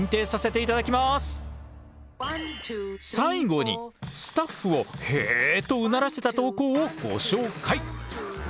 最後にスタッフを「へえ」とうならせた投稿をご紹介！